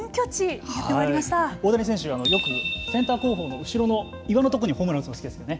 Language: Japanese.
よくセンター後方の後ろの岩のとこにホームラン打つの好きですよね。